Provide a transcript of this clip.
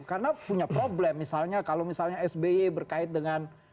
karena punya problem misalnya kalau misalnya sby berkait dengan